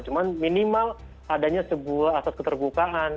cuma minimal adanya sebuah asas keterbukaan